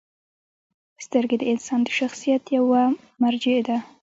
• سترګې د انسان د شخصیت یوه مرجع ده.